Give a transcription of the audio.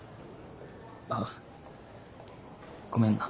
あっごめんな。